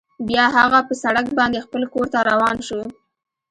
بیا هغه په سړک باندې خپل کور ته روان شو